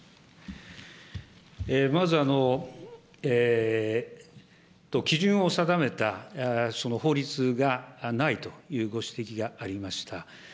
まず基準を定めた法律がないというご指摘がありました。